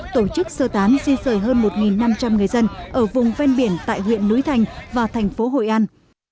tổ chức sơ tán di rời hơn một năm trăm linh người dân ở vùng ven biển tại huyện núi thành và thành phố hội an